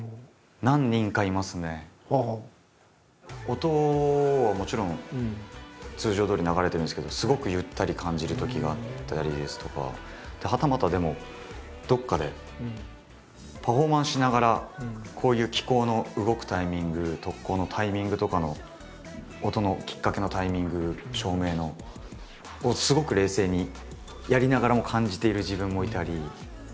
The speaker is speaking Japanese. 音はもちろん通常どおり流れてるんですけどすごくゆったり感じるときがあったりですとかはたまたでもどっかでパフォーマンスしながらこういう機構の動くタイミング特効のタイミングとかの音のきっかけのタイミング照明のをすごく冷静にやりながらも感じている自分もいたり。